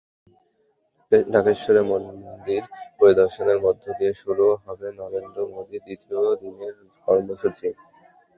ঢাকেশ্বরী মন্দির পরিদর্শনের মধ্য দিয়ে শুরু হবে নরেন্দ্র মোদির দ্বিতীয় দিনের কার্যসূচি।